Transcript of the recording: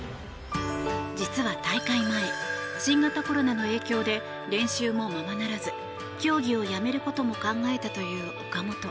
実は大会前、新型コロナの影響で練習もままならず競技をやめることも考えたという岡本。